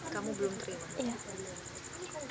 kamu belum terima iya